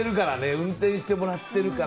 運転してもらっているから。